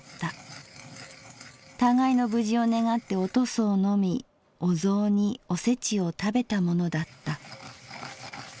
互いの無事を願ってお屠蘇を飲みお雑煮おせちを食べたものだった」。